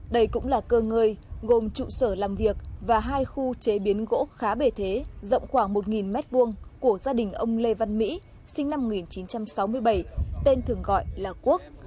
đây cũng là cơ ngơi gồm trụ sở làm việc và hai khu chế biến gỗ khá bề thế rộng khoảng một m hai của gia đình ông lê văn mỹ sinh năm một nghìn chín trăm sáu mươi bảy tên thường gọi là quốc